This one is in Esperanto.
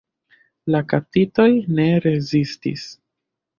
La kaptitoj ne rezistis.